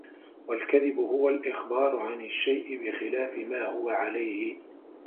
وَالْكَذِبُ هُوَ الْإِخْبَارُ عَنْ الشَّيْءِ بِخِلَافِ مَا هُوَ عَلَيْهِ